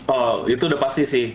oh itu udah pasti sih